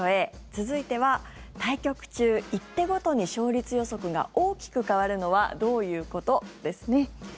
続いては対局中、１手ごとに勝率予測が大きく変わるのはどういうこと？ですね。